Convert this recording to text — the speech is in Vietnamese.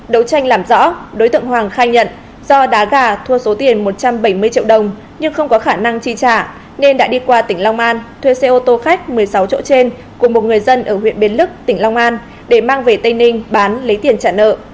đấu tranh làm rõ đối tượng hoàng khai nhận do đá gà thua số tiền một trăm bảy mươi triệu đồng nhưng không có khả năng chi trả nên đã đi qua tỉnh long an thuê xe ô tô khách một mươi sáu chỗ trên của một người dân ở huyện bến lức tỉnh long an để mang về tây ninh bán lấy tiền trả nợ